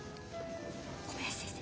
小林先生。